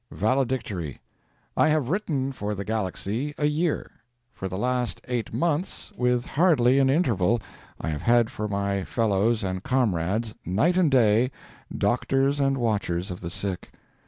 [VALEDICTORY—I have written for THE GALAXY a year. For the last eight months, with hardly an interval, I have had for my fellows and comrades, night and day, doctors and watchers of the sick!